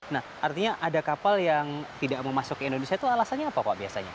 nah artinya ada kapal yang tidak mau masuk ke indonesia itu alasannya apa pak biasanya